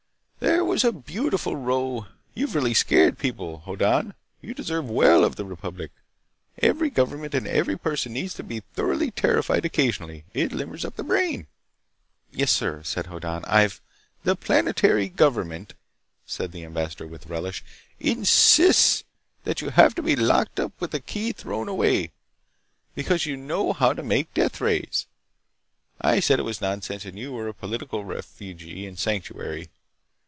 "There was a beautiful row. You've really scared people, Hoddan! You deserve well of the republic! Every government and every person needs to be thoroughly terrified occasionally. It limbers up the brain." "Yes, sir," said Hoddan. "I've—" "The planetary government," said the ambassador with relish, "insists that you have to be locked up with the key thrown away. Because you know how to make deathrays. I said it was nonsense, and you were a political refugee in sanctuary.